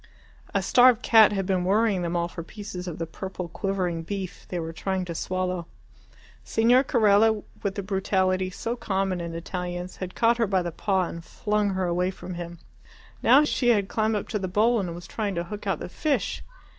A starved cat had been worrying them all for pieces of the purple quivering beef they were trying to swallow. Signor Carella, with the brutality so common in Italians, had caught her by the paw and flung her away from him. Now she had climbed up to the bowl and was trying to hook out the fish.